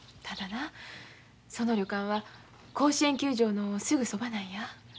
ただなその旅館は甲子園球場のすぐそばなんや。